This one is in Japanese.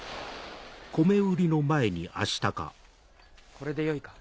これでよいか？